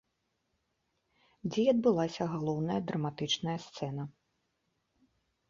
Дзе і адбылася галоўная драматычная сцэна.